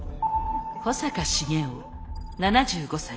保坂重雄７５才。